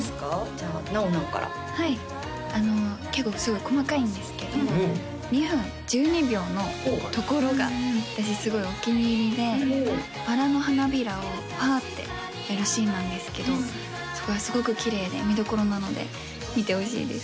じゃあなおなおからはい結構すごい細かいんですけど２分１２秒のところが私すごいお気に入りでバラの花びらをパーッてやるシーンなんですけどそこがすごくきれいで見どころなので見てほしいです